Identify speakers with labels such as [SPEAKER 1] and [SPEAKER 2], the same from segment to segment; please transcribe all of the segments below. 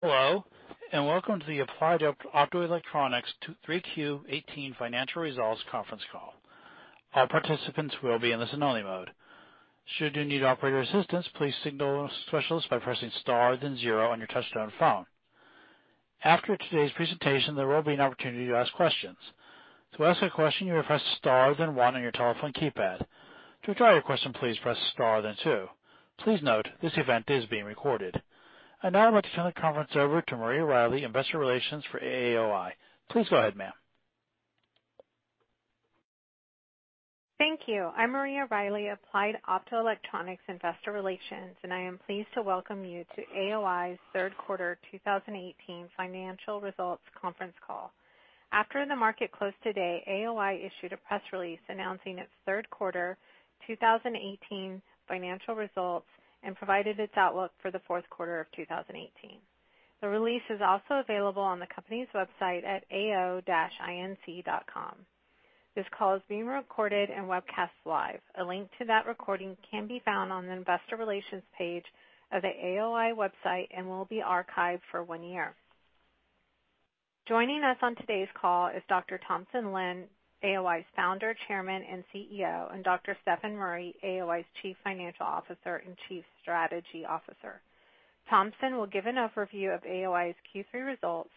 [SPEAKER 1] Hello, welcome to the Applied Optoelectronics 3Q18 Financial Results Conference Call. All participants will be in listen-only mode. Should you need operator assistance, please signal a specialist by pressing star then zero on your touch-tone phone. After today's presentation, there will be an opportunity to ask questions. To ask a question, you will press star then one on your telephone keypad. To withdraw your question, please press star then two. Please note, this event is being recorded. I'd now like to turn the conference over to Maria Riley, investor relations for AOI. Please go ahead, ma'am.
[SPEAKER 2] Thank you. I am Maria Riley, Applied Optoelectronics investor relations, I am pleased to welcome you to AOI's third quarter 2018 financial results conference call. After the market closed today, AOI issued a press release announcing its third quarter 2018 financial results and provided its outlook for the fourth quarter of 2018. The release is also available on the company's website at ao-inc.com. This call is being recorded and webcast live. A link to that recording can be found on the investor relations page of the AOI website and will be archived for one year. Joining us on today's call is Dr. Thompson Lin, AOI's Founder, Chairman, and CEO, Dr. Stefan Murry, AOI's Chief Financial Officer and Chief Strategy Officer. Thompson will give an overview of AOI's Q3 results,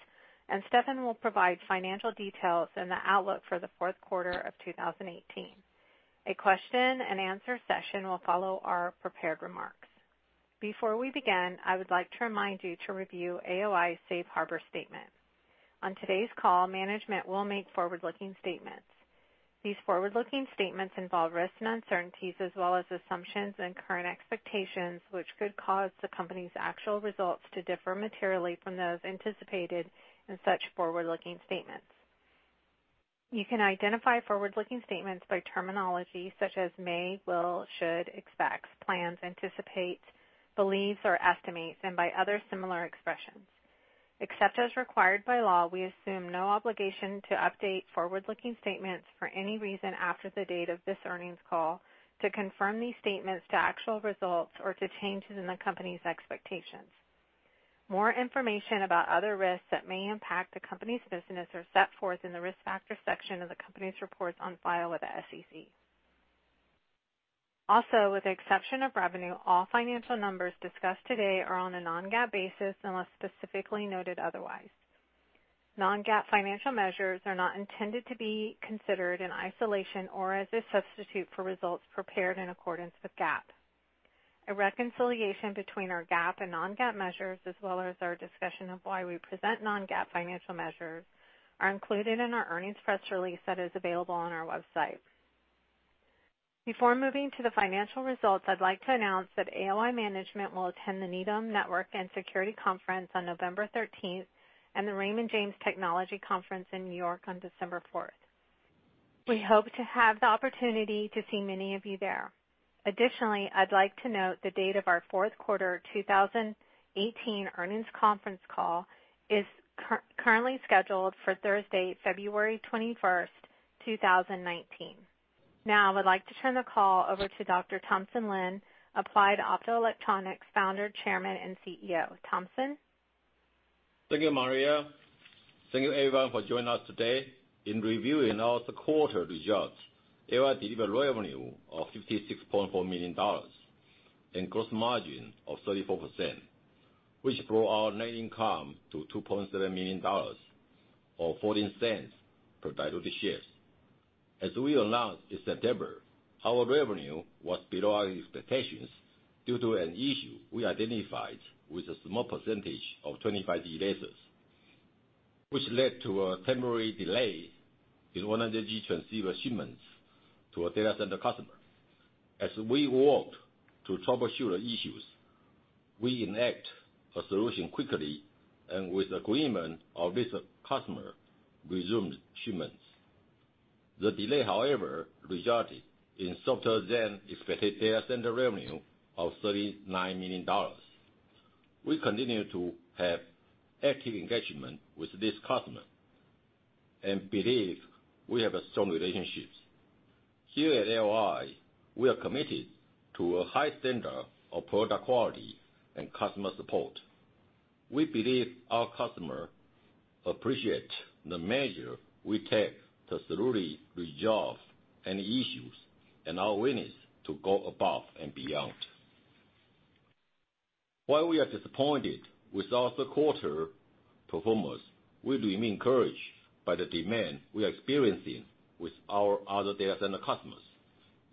[SPEAKER 2] Stefan will provide financial details and the outlook for the fourth quarter of 2018. A question-and-answer session will follow our prepared remarks. Before we begin, I would like to remind you to review AOI's Safe Harbor statement. On today's call, management will make forward-looking statements. These forward-looking statements involve risks and uncertainties as well as assumptions and current expectations, which could cause the company's actual results to differ materially from those anticipated in such forward-looking statements. You can identify forward-looking statements by terminology such as may, will, should, expects, plans, anticipate, believes, or estimates, by other similar expressions. Except as required by law, we assume no obligation to update forward-looking statements for any reason after the date of this earnings call to confirm these statements to actual results or to changes in the company's expectations. More information about other risks that may impact the company's business are set forth in the risk factors section of the company's reports on file with the SEC. With the exception of revenue, all financial numbers discussed today are on a non-GAAP basis unless specifically noted otherwise. Non-GAAP financial measures are not intended to be considered in isolation or as a substitute for results prepared in accordance with GAAP. A reconciliation between our GAAP and non-GAAP measures, as well as our discussion of why we present non-GAAP financial measures, are included in our earnings press release that is available on our website. Before moving to the financial results, I'd like to announce that AOI management will attend the Needham Network and Security Conference on November 13th and the Raymond James Technology Conference in New York on December 4th. We hope to have the opportunity to see many of you there. Additionally, I'd like to note the date of our fourth quarter 2018 earnings conference call is currently scheduled for Thursday, February 21st, 2019. Now, I would like to turn the call over to Dr. Thompson Lin, Applied Optoelectronics founder, chairman, and CEO. Thompson?
[SPEAKER 3] Thank you, Maria. Thank you, everyone, for joining us today. In reviewing our third quarter results, AOI delivered revenue of $56.4 million and gross margin of 34%, which brought our net income to $2.7 million, or $0.14 per diluted shares. As we announced in September, our revenue was below our expectations due to an issue we identified with a small percentage of 25G lasers, which led to a temporary delay in 100G transceiver shipments to a data center customer. As we worked to troubleshoot the issues, we enact a solution quickly, and with agreement of this customer, resumed shipments. The delay, however, resulted in softer-than-expected data center revenue of $39 million. We continue to have active engagement with this customer and believe we have a strong relationship. Here at AOI, we are committed to a high standard of product quality and customer support. We believe our customer appreciate the measure we take to thoroughly resolve any issues and our willingness to go above and beyond. While we are disappointed with our third quarter performance, we remain encouraged by the demand we are experiencing with our other data center customers.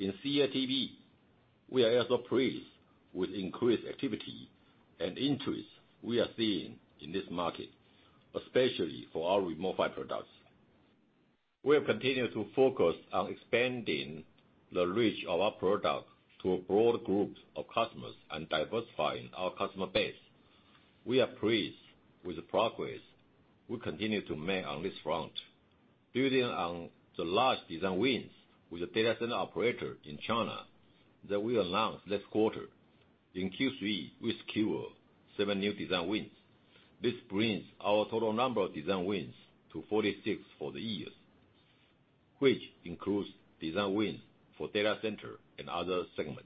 [SPEAKER 3] In CATV, we are also pleased with increased activity and interest we are seeing in this market, especially for our Remote PHY products. We have continued to focus on expanding the reach of our products to a broad group of customers and diversifying our customer base. We are pleased with the progress we continue to make on this front. Building on the large design wins with the data center operator in China that we announced last quarter, in Q3, we secured seven new design wins. This brings our total number of design wins to 46 for the year. Which includes design wins for data center and other segments.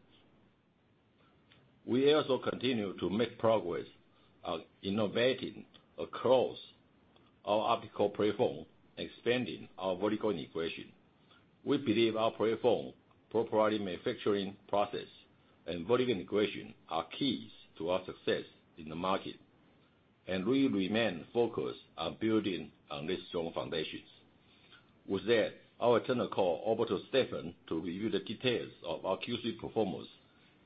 [SPEAKER 3] We also continue to make progress on innovating across our optical platform, expanding our vertical integration. We believe our platform, proprietary manufacturing process, and vertical integration are keys to our success in the market. We remain focused on building on these strong foundations. With that, I will turn the call over to Stefan to review the details of our Q3 performance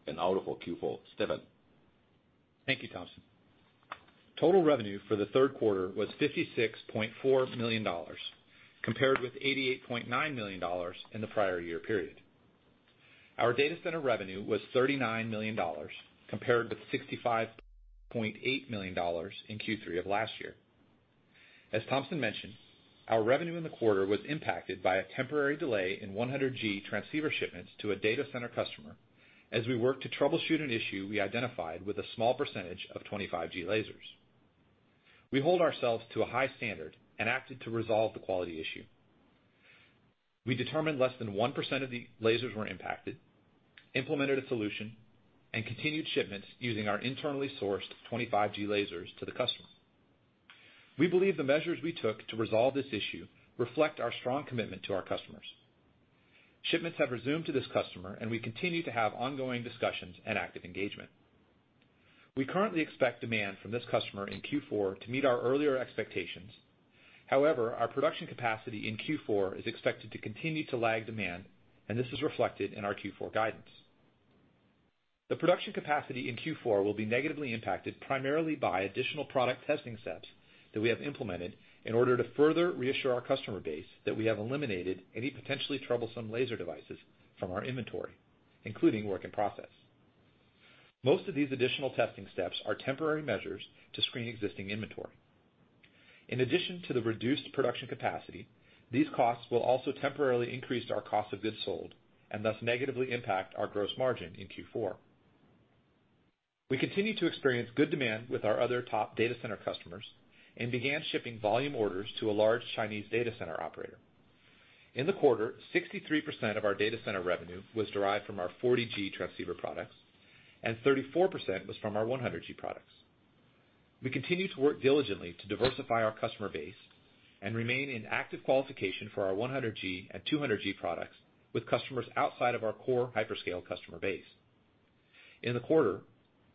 [SPEAKER 3] and outlook for Q4. Stefan.
[SPEAKER 4] Thank you, Thompson. Total revenue for the third quarter was $56.4 million, compared with $88.9 million in the prior year period. Our data center revenue was $39 million, compared with $65.8 million in Q3 of last year. As Thompson mentioned, our revenue in the quarter was impacted by a temporary delay in 100G transceiver shipments to a data center customer as we worked to troubleshoot an issue we identified with a small percentage of 25G lasers. We hold ourselves to a high standard and acted to resolve the quality issue. We determined less than 1% of the lasers were impacted, implemented a solution, and continued shipments using our internally sourced 25G lasers to the customer. We believe the measures we took to resolve this issue reflect our strong commitment to our customers. Shipments have resumed to this customer, and we continue to have ongoing discussions and active engagement. Our production capacity in Q4 is expected to continue to lag demand, and this is reflected in our Q4 guidance. The production capacity in Q4 will be negatively impacted primarily by additional product testing steps that we have implemented in order to further reassure our customer base that we have eliminated any potentially troublesome laser devices from our inventory, including work in process. Most of these additional testing steps are temporary measures to screen existing inventory. In addition to the reduced production capacity, these costs will also temporarily increase our cost of goods sold and thus negatively impact our gross margin in Q4. We continue to experience good demand with our other top data center customers and began shipping volume orders to a large Chinese data center operator. In the quarter, 63% of our data center revenue was derived from our 40G transceiver products, and 34% was from our 100G products. We continue to work diligently to diversify our customer base and remain in active qualification for our 100G and 200G products with customers outside of our core hyperscale customer base. In the quarter,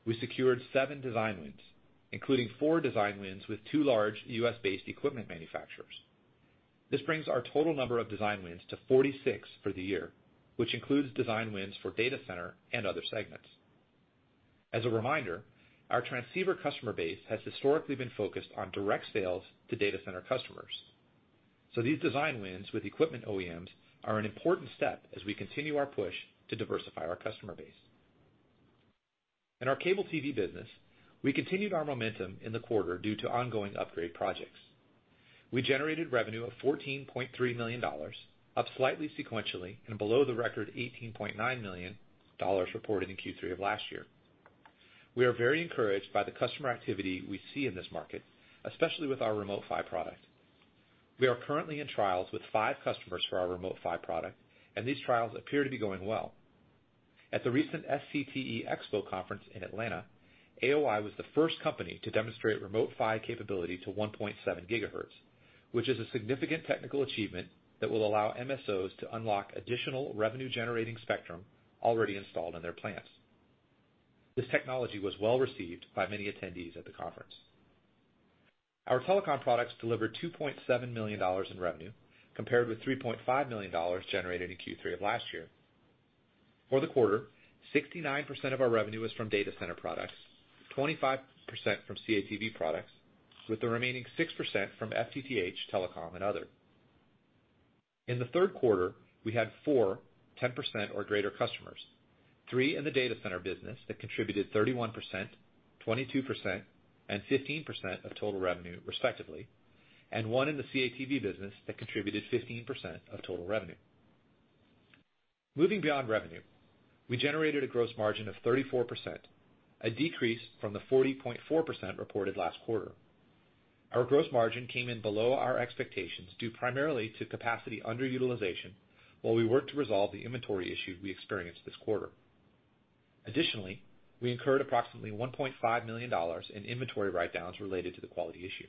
[SPEAKER 4] we secured seven design wins, including four design wins with two large U.S.-based equipment manufacturers. This brings our total number of design wins to 46 for the year, which includes design wins for data center and other segments. As a reminder, our transceiver customer base has historically been focused on direct sales to data center customers. These design wins with equipment OEMs are an important step as we continue our push to diversify our customer base. In our HFC business, we continued our momentum in the quarter due to ongoing upgrade projects. We generated revenue of $14.3 million, up slightly sequentially and below the record $18.9 million reported in Q3 of last year. We are very encouraged by the customer activity we see in this market, especially with our Remote PHY product. We are currently in trials with five customers for our Remote PHY product, and these trials appear to be going well. At the recent SCTE-ISBE Cable-Tec Expo in Atlanta, AOI was the first company to demonstrate Remote PHY capability to 1.7 gigahertz, which is a significant technical achievement that will allow MSOs to unlock additional revenue-generating spectrum already installed in their plants. This technology was well received by many attendees at the conference. Our telecom products delivered $2.7 million in revenue compared with $3.5 million generated in Q3 of last year. For the quarter, 69% of our revenue was from data center products, 25% from CATV products, with the remaining 6% from FTTH, telecom, and other. In the third quarter, we had four 10% or greater customers. Three in the data center business that contributed 31%, 22% and 15% of total revenue, respectively, and one in the CATV business that contributed 15% of total revenue. Moving beyond revenue, we generated a gross margin of 34%, a decrease from the 40.4% reported last quarter. Our gross margin came in below our expectations due primarily to capacity underutilization while we worked to resolve the inventory issue we experienced this quarter. Additionally, we incurred approximately $1.5 million in inventory write-downs related to the quality issue.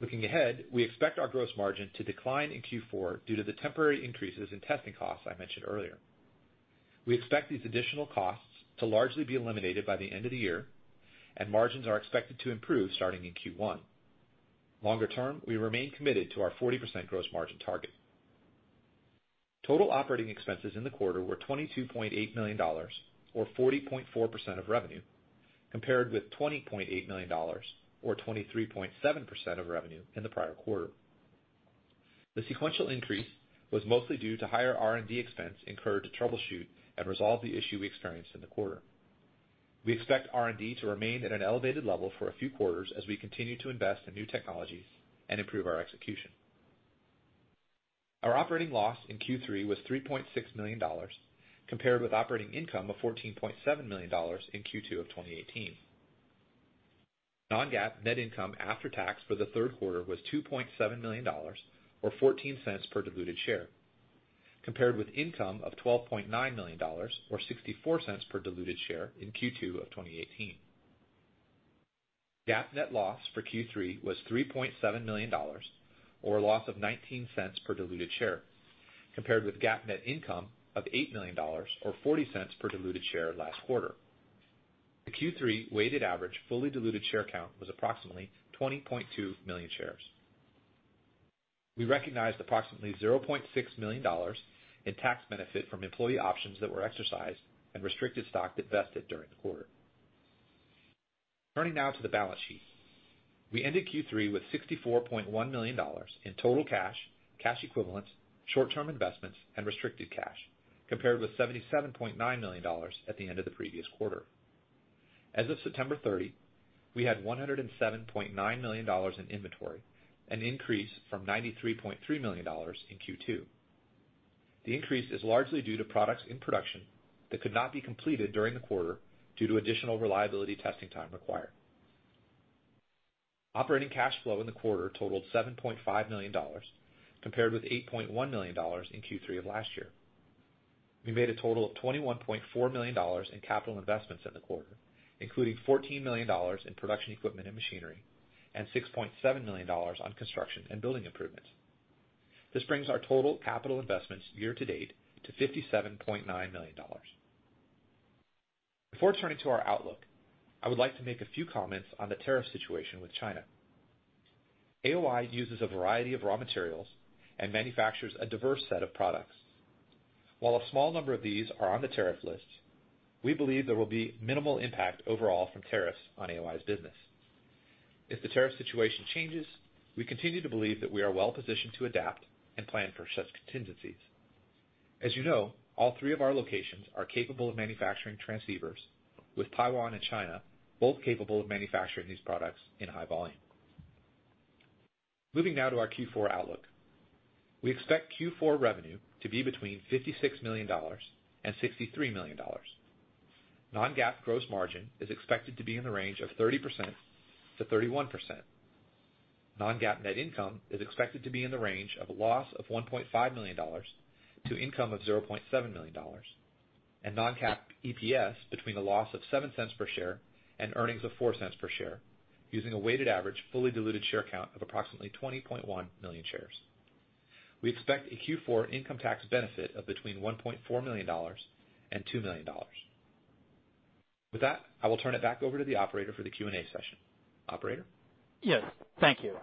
[SPEAKER 4] Looking ahead, we expect our gross margin to decline in Q4 due to the temporary increases in testing costs I mentioned earlier. We expect these additional costs to largely be eliminated by the end of the year, and margins are expected to improve starting in Q1. Longer term, we remain committed to our 40% gross margin target. Total operating expenses in the quarter were $22.8 million or 40.4% of revenue, compared with $20.8 million or 23.7% of revenue in the prior quarter. The sequential increase was mostly due to higher R&D expense incurred to troubleshoot and resolve the issue we experienced in the quarter. We expect R&D to remain at an elevated level for a few quarters as we continue to invest in new technologies and improve our execution. Our operating loss in Q3 was $3.6 million compared with operating income of $14.7 million in Q2 of 2018. Non-GAAP net income after tax for the third quarter was $2.7 million, or $0.14 per diluted share, compared with income of $12.9 million or $0.64 per diluted share in Q2 of 2018. GAAP net loss for Q3 was $3.7 million, or a loss of $0.19 per diluted share, compared with GAAP net income of $8 million or $0.40 per diluted share last quarter. The Q3 weighted average fully diluted share count was approximately 20.2 million shares. We recognized approximately $0.6 million in tax benefit from employee options that were exercised and restricted stock that vested during the quarter. Turning now to the balance sheet. We ended Q3 with $64.1 million in total cash equivalents, short-term investments and restricted cash, compared with $77.9 million at the end of the previous quarter. As of September 30, we had $107.9 million in inventory, an increase from $93.3 million in Q2. The increase is largely due to products in production that could not be completed during the quarter due to additional reliability testing time required. Operating cash flow in the quarter totaled $7.5 million, compared with $8.1 million in Q3 of last year. We made a total of $21.4 million in capital investments in the quarter, including $14 million in production equipment and machinery, and $6.7 million on construction and building improvements. This brings our total capital investments year-to-date to $57.9 million. Before turning to our outlook, I would like to make a few comments on the tariff situation with China. AOI uses a variety of raw materials and manufactures a diverse set of products. While a small number of these are on the tariff list, we believe there will be minimal impact overall from tariffs on AOI's business. If the tariff situation changes, we continue to believe that we are well-positioned to adapt and plan for such contingencies. As you know, all three of our locations are capable of manufacturing transceivers, with Taiwan and China both capable of manufacturing these products in high volume. Moving now to our Q4 outlook. We expect Q4 revenue to be between $56 million and $63 million. Non-GAAP gross margin is expected to be in the range of 30%-31%. Non-GAAP net income is expected to be in the range of a loss of $1.5 million to income of $0.7 million, and non-GAAP EPS between a loss of $0.07 per share and earnings of $0.04 per share using a weighted average fully diluted share count of approximately 20.1 million shares. We expect a Q4 income tax benefit of between $1.4 million and $2 million. With that, I will turn it back over to the operator for the Q&A session. Operator?
[SPEAKER 1] Yes. Thank you.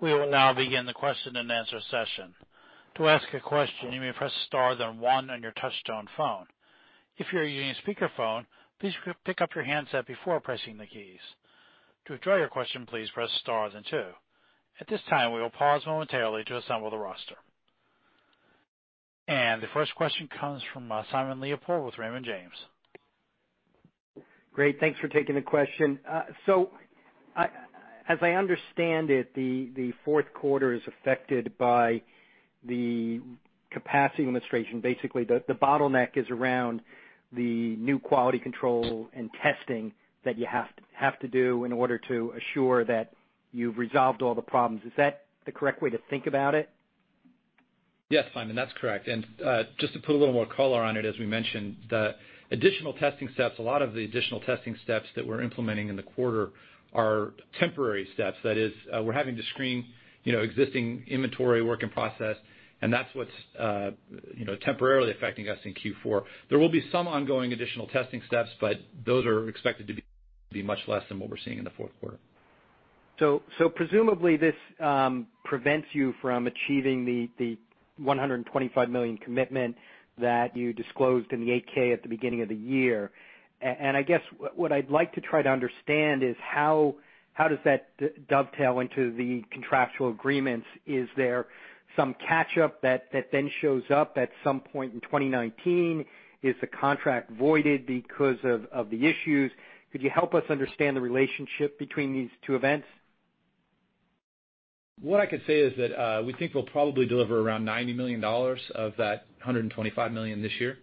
[SPEAKER 1] We will now begin the question-and-answer session. To ask a question, you may press star, then one on your touchtone phone. If you're using a speakerphone, please pick up your handset before pressing the keys. To withdraw your question, please press stars and two. At this time, we will pause momentarily to assemble the roster. The first question comes from Simon Leopold with Raymond James.
[SPEAKER 5] Great. Thanks for taking the question. As I understand it, the fourth quarter is affected by the capacity limitation. Basically, the bottleneck is around the new quality control and testing that you have to do in order to assure that you've resolved all the problems. Is that the correct way to think about it?
[SPEAKER 4] Yes, Simon, that's correct. Just to put a little more color on it, as we mentioned, a lot of the additional testing steps that we're implementing in the quarter are temporary steps. That is, we're having to screen existing inventory work in process, and that's what's temporarily affecting us in Q4. There will be some ongoing additional testing steps, but those are expected to be much less than what we're seeing in the fourth quarter.
[SPEAKER 5] Presumably, this prevents you from achieving the $125 million commitment that you disclosed in the 8-K at the beginning of the year. I guess what I'd like to try to understand is how does that dovetail into the contractual agreements? Is there some catch-up that then shows up at some point in 2019? Is the contract voided because of the issues? Could you help us understand the relationship between these two events?
[SPEAKER 4] What I could say is that we think we'll probably deliver around $90 million of that $125 million this year.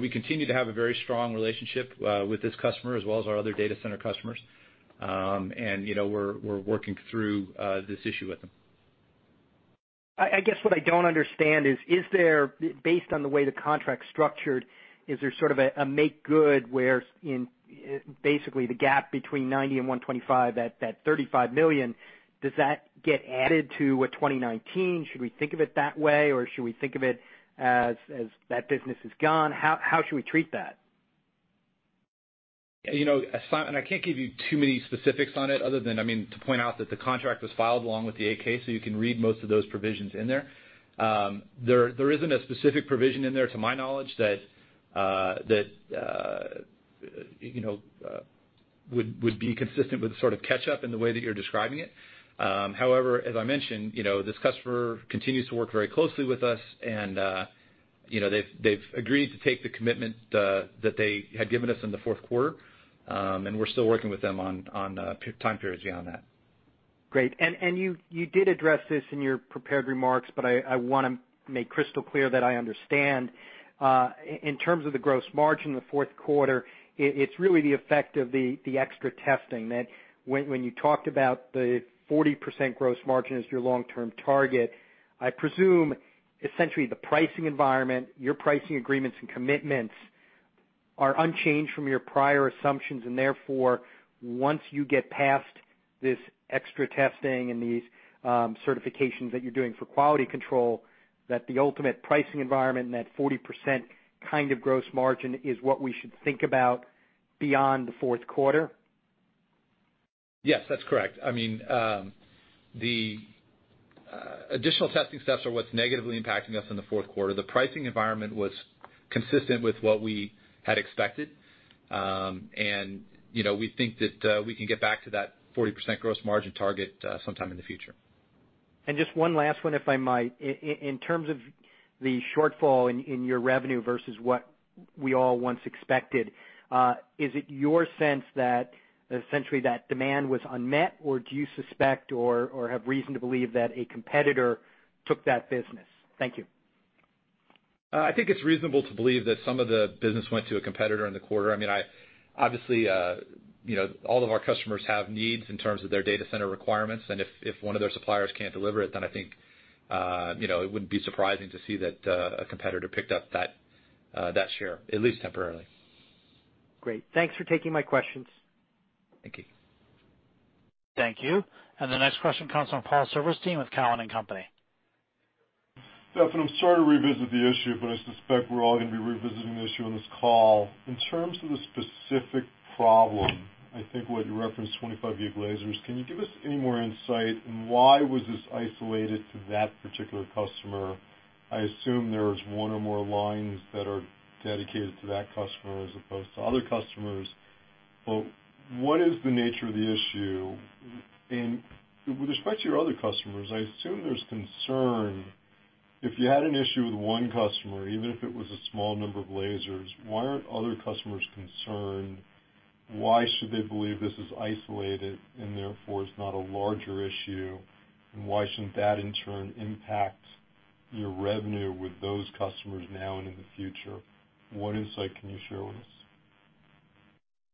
[SPEAKER 4] We continue to have a very strong relationship with this customer as well as our other data center customers. We're working through this issue with them.
[SPEAKER 5] I guess what I don't understand is, based on the way the contract's structured, is there sort of a make good where basically the gap between 90 and 125, that $35 million, does that get added to 2019? Should we think of it that way, or should we think of it as that business is gone? How should we treat that?
[SPEAKER 4] Simon, I can't give you too many specifics on it other than to point out that the contract was filed along with the 8-K, so you can read most of those provisions in there. There isn't a specific provision in there, to my knowledge, that would be consistent with sort of catch up in the way that you're describing it. As I mentioned, this customer continues to work very closely with us and they've agreed to take the commitment that they had given us in the fourth quarter, and we're still working with them on time periods beyond that.
[SPEAKER 5] Great. You did address this in your prepared remarks, but I want to make crystal clear that I understand. In terms of the gross margin in the fourth quarter, it's really the effect of the extra testing. When you talked about the 40% gross margin as your long-term target, I presume, essentially, the pricing environment, your pricing agreements and commitments are unchanged from your prior assumptions. Therefore, once you get past this extra testing and these certifications that you're doing for quality control, that the ultimate pricing environment and that 40% kind of gross margin is what we should think about beyond the fourth quarter?
[SPEAKER 4] Yes, that's correct. The additional testing steps are what's negatively impacting us in the fourth quarter. The pricing environment was consistent with what we had expected. We think that we can get back to that 40% gross margin target sometime in the future.
[SPEAKER 5] Just one last one, if I might. In terms of the shortfall in your revenue versus what we all once expected, is it your sense that essentially that demand was unmet, or do you suspect or have reason to believe that a competitor took that business? Thank you.
[SPEAKER 4] I think it's reasonable to believe that some of the business went to a competitor in the quarter. Obviously, all of our customers have needs in terms of their data center requirements, and if one of their suppliers can't deliver it, then I think it wouldn't be surprising to see that a competitor picked up that share, at least temporarily.
[SPEAKER 5] Great. Thanks for taking my questions.
[SPEAKER 4] Thank you.
[SPEAKER 1] Thank you. The next question comes from Paul Silverstein with Cowen and Company.
[SPEAKER 6] Stefan, I'm sorry to revisit the issue, I suspect we're all going to be revisiting the issue on this call. In terms of the specific problem, I think what you referenced 25 gig lasers. Can you give us any more insight, and why was this isolated to that particular customer? I assume there's one or more lines that are dedicated to that customer as opposed to other customers. What is the nature of the issue? With respect to your other customers, I assume there's concern if you had an issue with one customer, even if it was a small number of lasers, why aren't other customers concerned? Why should they believe this is isolated and therefore is not a larger issue? Why shouldn't that in turn impact your revenue with those customers now and in the future? What insight can you share with us?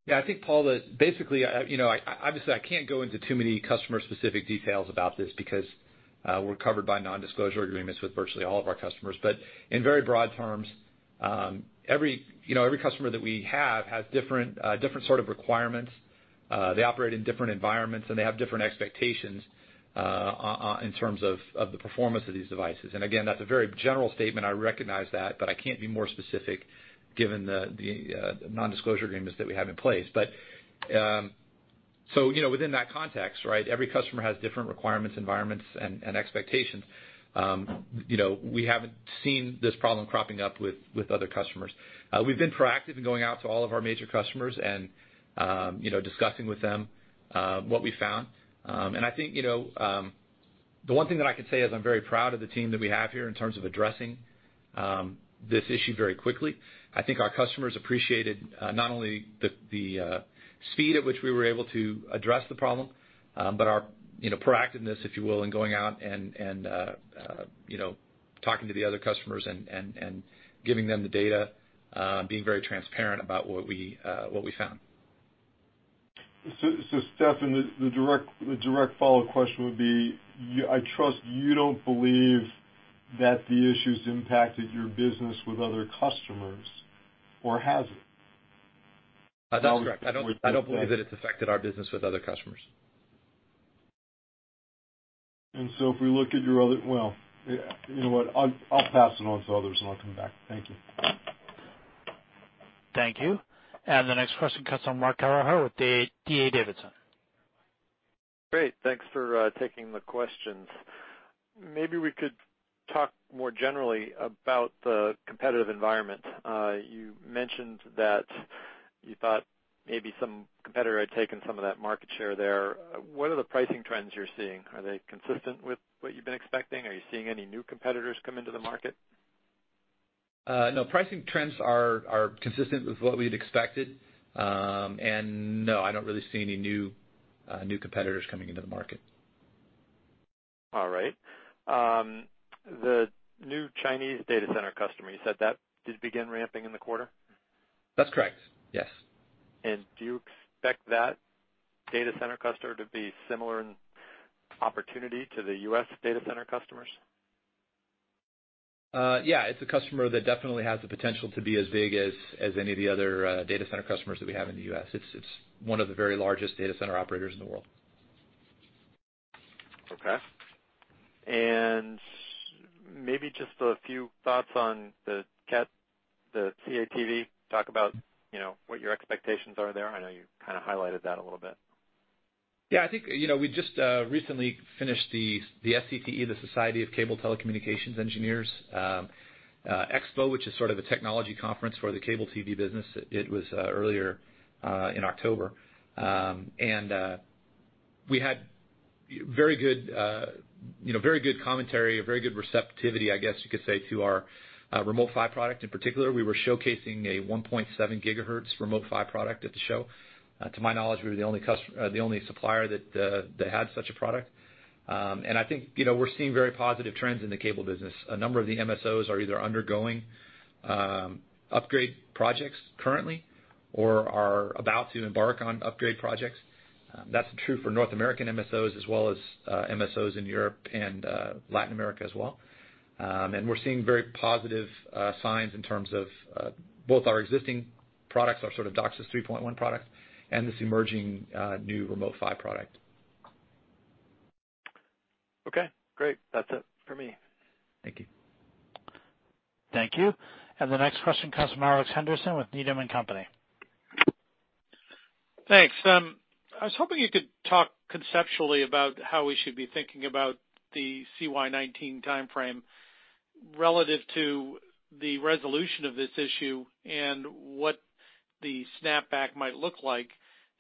[SPEAKER 4] Yeah, I think, Paul, that basically, obviously, I can't go into too many customer-specific details about this because we're covered by non-disclosure agreements with virtually all of our customers. In very broad terms, every customer that we have has different sort of requirements. They operate in different environments, and they have different expectations in terms of the performance of these devices. Again, that's a very general statement. I recognize that, I can't be more specific given the non-disclosure agreements that we have in place. Within that context, every customer has different requirements, environments, and expectations. We haven't seen this problem cropping up with other customers. We've been proactive in going out to all of our major customers and discussing with them what we found. I think the one thing that I can say is I'm very proud of the team that we have here in terms of addressing this issue very quickly. I think our customers appreciated not only the speed at which we were able to address the problem, but our proactiveness, if you will, in going out and talking to the other customers and giving them the data, being very transparent about what we found.
[SPEAKER 6] Stefan, the direct follow-up question would be, I trust you don't believe that the issues impacted your business with other customers or has it?
[SPEAKER 4] That's correct. I don't believe that it's affected our business with other customers.
[SPEAKER 6] If we look at your other-- Well, you know what? I'll pass it on to others, and I'll come back. Thank you.
[SPEAKER 1] Thank you. The next question comes from Mark Kelleher with D.A. Davidson.
[SPEAKER 7] Great. Thanks for taking the questions. Maybe we could talk more generally about the competitive environment. You mentioned that you thought maybe some competitor had taken some of that market share there. What are the pricing trends you're seeing? Are they consistent with what you've been expecting? Are you seeing any new competitors come into the market?
[SPEAKER 4] No. Pricing trends are consistent with what we'd expected. No, I don't really see any new competitors coming into the market.
[SPEAKER 7] All right. The new Chinese data center customer, you said that did begin ramping in the quarter?
[SPEAKER 4] That's correct. Yes.
[SPEAKER 7] Do you expect that data center customer to be similar in opportunity to the U.S. data center customers?
[SPEAKER 4] Yeah. It's a customer that definitely has the potential to be as big as any of the other data center customers that we have in the U.S. It's one of the very largest data center operators in the world.
[SPEAKER 7] Okay. Maybe just a few thoughts on the CATV. Talk about what your expectations are there. I know you kind of highlighted that a little bit.
[SPEAKER 4] Yeah, I think we just recently finished the SCTE, the Society of Cable Telecommunications Engineers Expo, which is sort of a technology conference for the cable TV business. It was earlier in October. We had very good commentary, very good receptivity, I guess you could say, to our Remote PHY product. In particular, we were showcasing a 1.7 gigahertz Remote PHY product at the show. To my knowledge, we were the only supplier that had such a product. I think we're seeing very positive trends in the cable business. A number of the MSOs are either undergoing upgrade projects currently or are about to embark on upgrade projects. That's true for North American MSOs as well as MSOs in Europe and Latin America as well. We're seeing very positive signs in terms of both our existing products, our DOCSIS 3.1 products, and this emerging new Remote PHY product.
[SPEAKER 7] Okay, great. That's it for me.
[SPEAKER 4] Thank you.
[SPEAKER 1] Thank you. The next question comes from Alex Henderson with Needham & Company.
[SPEAKER 8] Thanks. I was hoping you could talk conceptually about how we should be thinking about the CY 2019 timeframe relative to the resolution of this issue and what the snap back might look like.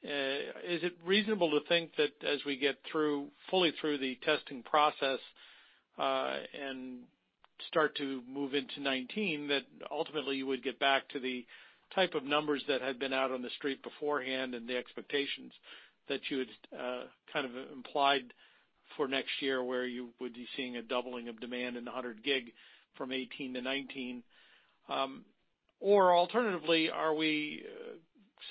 [SPEAKER 8] Is it reasonable to think that as we get fully through the testing process, and start to move into 2019, that ultimately you would get back to the type of numbers that had been out on the street beforehand and the expectations that you had kind of implied for next year, where you would be seeing a doubling of demand in the 100G from 2018 to 2019? Alternatively, are we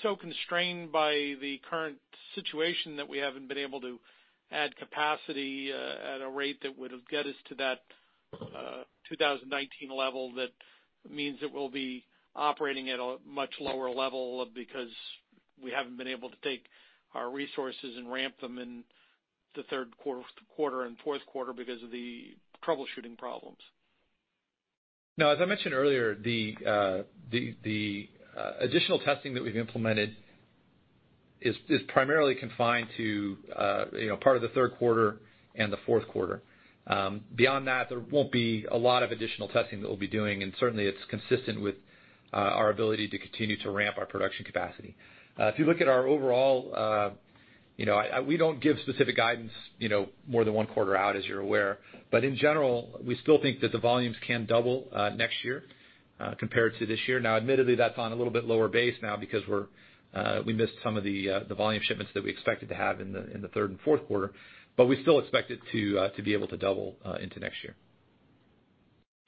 [SPEAKER 8] so constrained by the current situation that we haven't been able to add capacity at a rate that would have got us to that 2019 level, that means that we'll be operating at a much lower level because we haven't been able to take our resources and ramp them in the third quarter and fourth quarter because of the troubleshooting problems?
[SPEAKER 4] No, as I mentioned earlier, the additional testing that we've implemented is primarily confined to part of the third quarter and the fourth quarter. Beyond that, there won't be a lot of additional testing that we'll be doing, and certainly it's consistent with our ability to continue to ramp our production capacity. If you look at our overall, we don't give specific guidance more than one quarter out, as you're aware. In general, we still think that the volumes can double next year compared to this year. Admittedly, that's on a little bit lower base now because we missed some of the volume shipments that we expected to have in the third and fourth quarter, but we still expect it to be able to double into next year.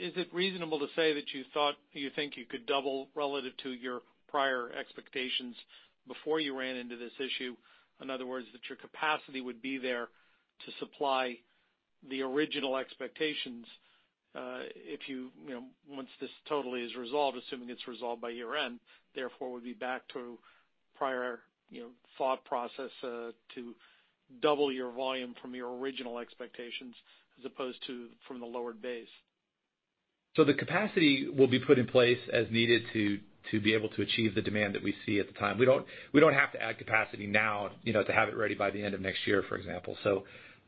[SPEAKER 8] Is it reasonable to say that you think you could double relative to your prior expectations before you ran into this issue? In other words, that your capacity would be there to supply the original expectations once this totally is resolved, assuming it's resolved by year-end, therefore would be back to prior thought process, to double your volume from your original expectations as opposed to from the lowered base.
[SPEAKER 4] The capacity will be put in place as needed to be able to achieve the demand that we see at the time. We don't have to add capacity now to have it ready by the end of next year, for example.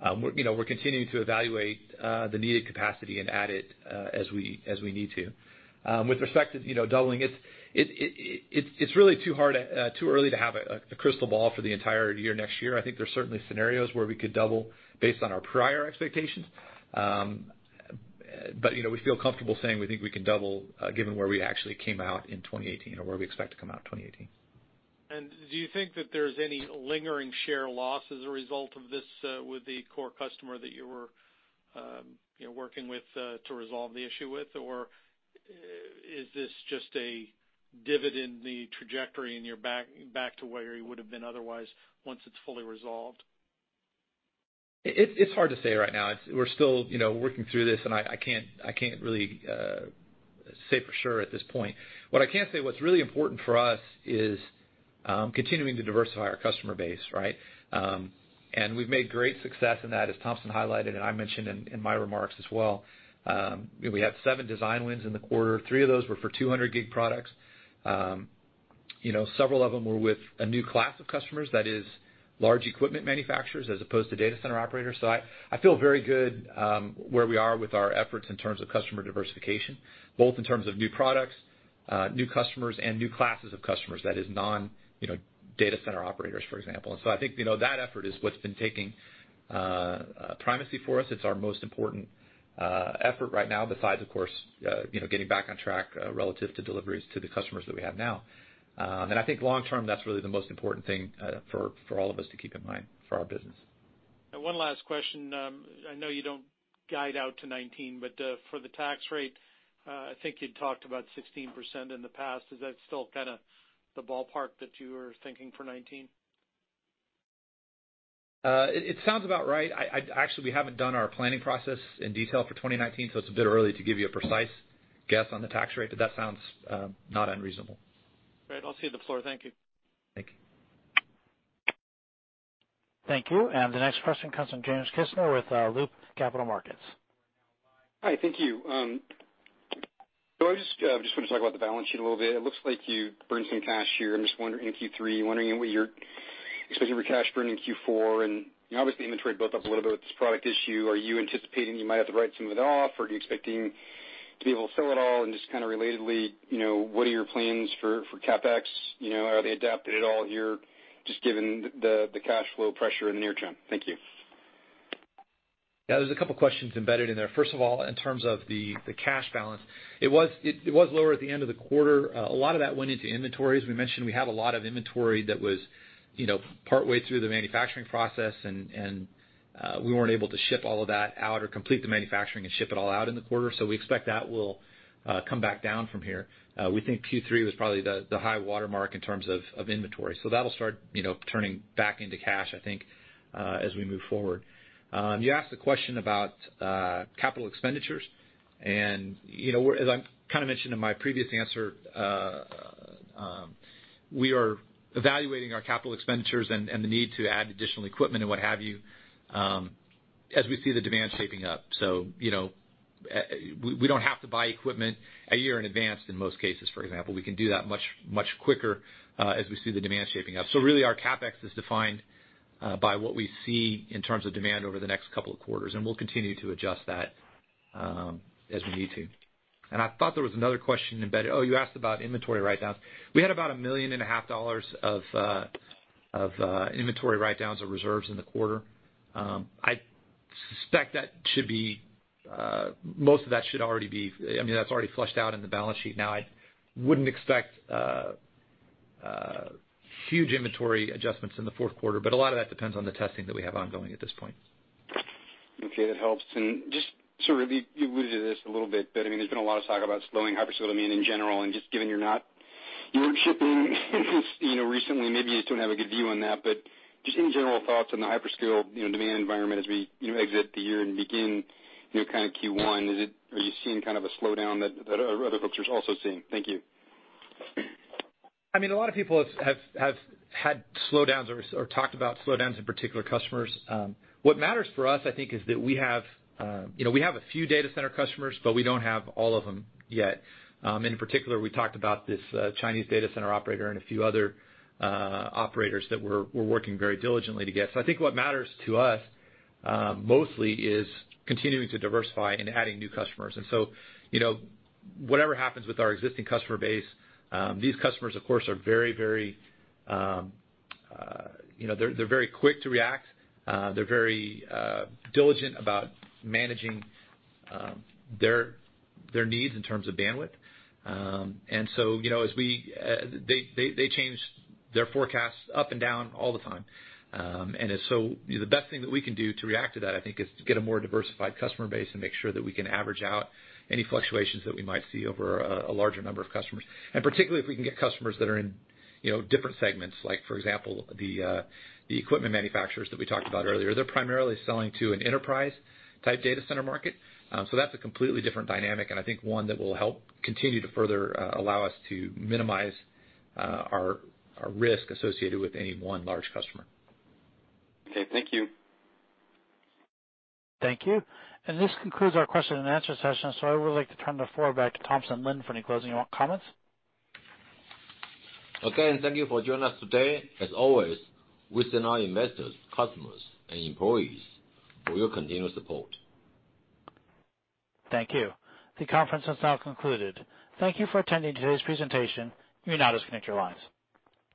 [SPEAKER 4] We're continuing to evaluate the needed capacity and add it as we need to. With respect to doubling, it's really too early to have a crystal ball for the entire next year. I think there's certainly scenarios where we could double based on our prior expectations. We feel comfortable saying we think we can double, given where we actually came out in 2018 or where we expect to come out in 2018.
[SPEAKER 8] Do you think that there's any lingering share loss as a result of this with the core customer that you were working with to resolve the issue with? Or is this just a divot in the trajectory and you're back to where you would've been otherwise once it's fully resolved?
[SPEAKER 4] It's hard to say right now. We're still working through this, I can't really say for sure at this point. What I can say, what's really important for us is continuing to diversify our customer base, right? We've made great success in that, as Thompson highlighted, I mentioned in my remarks as well. We have seven design wins in the quarter. Three of those were for 200G products. Several of them were with a new class of customers, that is large equipment manufacturers as opposed to data center operators. I feel very good where we are with our efforts in terms of customer diversification, both in terms of new products, new customers, and new classes of customers that is non-data center operators, for example. I think that effort is what's been taking primacy for us. It's our most important effort right now, besides, of course, getting back on track relative to deliveries to the customers that we have now. I think long term, that's really the most important thing for all of us to keep in mind for our business.
[SPEAKER 8] One last question. I know you don't guide out to 2019, but for the tax rate, I think you'd talked about 16% in the past. Is that still kind of the ballpark that you are thinking for 2019?
[SPEAKER 4] It sounds about right. Actually, we haven't done our planning process in detail for 2019, so it's a bit early to give you a precise guess on the tax rate, but that sounds not unreasonable.
[SPEAKER 8] Great. I'll cede the floor. Thank you.
[SPEAKER 4] Thank you.
[SPEAKER 1] Thank you. The next question comes from James Kisner with Loop Capital Markets.
[SPEAKER 9] Hi, thank you. I just want to talk about the balance sheet a little bit. It looks like you burned some cash here in Q3. I'm just wondering what you're expecting for cash burn in Q4. Obviously inventory built up a little bit with this product issue. Are you anticipating you might have to write some of it off? Are you expecting to be able to fill it all and just kind of relatedly, what are your plans for CapEx? Are they adapted at all here, just given the cash flow pressure in the near term? Thank you.
[SPEAKER 4] Yeah. There's two questions embedded in there. First of all, in terms of the cash balance, it was lower at the end of the quarter. A lot of that went into inventory. As we mentioned, we had a lot of inventory that was partway through the manufacturing process, and we weren't able to ship all of that out or complete the manufacturing and ship it all out in the quarter, we expect that will come back down from here. We think Q3 was probably the high water mark in terms of inventory. That'll start turning back into cash, I think, as we move forward. You asked a question about capital expenditures, and as I kind of mentioned in my previous answer, we are evaluating our capital expenditures and the need to add additional equipment and what have you, as we see the demand shaping up. We don't have to buy equipment a year in advance in most cases, for example. We can do that much quicker as we see the demand shaping up. Really, our CapEx is defined by what we see in terms of demand over the next two of quarters, and we'll continue to adjust that as we need to. I thought there was another question embedded. Oh, you asked about inventory write-downs. We had about a million and a half dollars of inventory write-downs or reserves in the quarter. I suspect most of that should already be. I mean, that's already flushed out in the balance sheet now. I wouldn't expect huge inventory adjustments in the fourth quarter, but a lot of that depends on the testing that we have ongoing at this point.
[SPEAKER 9] Okay. That helps. You alluded to this a little bit. I mean, there's been a lot of talk about slowing hyperscale demand in general, and just given you're not shipping recently, maybe you just don't have a good view on that. Just any general thoughts on the hyperscale demand environment as we exit the year and begin kind of Q1. Are you seeing kind of a slowdown that other folks are also seeing? Thank you.
[SPEAKER 4] I mean, a lot of people have had slowdowns or talked about slowdowns in particular customers. What matters for us, I think, is that we have a few data center customers, but we don't have all of them yet. In particular, we talked about this Chinese data center operator and a few other operators that we're working very diligently to get. I think what matters to us mostly is continuing to diversify and adding new customers. Whatever happens with our existing customer base, these customers, of course, they're very quick to react. They're very diligent about managing their needs in terms of bandwidth. They change their forecasts up and down all the time. The best thing that we can do to react to that, I think, is to get a more diversified customer base and make sure that we can average out any fluctuations that we might see over a larger number of customers. Particularly if we can get customers that are in different segments, like for example, the equipment manufacturers that we talked about earlier. They're primarily selling to an enterprise-type data center market. That's a completely different dynamic, and I think one that will help continue to further allow us to minimize our risk associated with any one large customer.
[SPEAKER 9] Okay. Thank you.
[SPEAKER 1] Thank you. This concludes our question and answer session, I would like to turn the floor back to Thompson Lin for any closing comments.
[SPEAKER 3] Again, thank you for joining us today. As always, we thank our investors, customers, and employees for your continued support.
[SPEAKER 1] Thank you. The conference is now concluded. Thank you for attending today's presentation. You may now disconnect your lines.